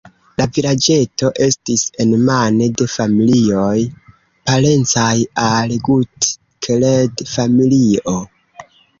La vilaĝeto estis enmane de familioj, parencaj al Gut-Keled-familio.